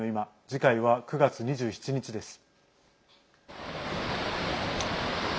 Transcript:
次回は９月２７日です。